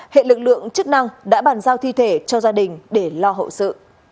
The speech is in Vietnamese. hệ lực lượng chức năng đã bàn giao thi thể cho gia đình để lo hậu sự